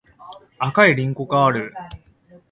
赤いりんごがある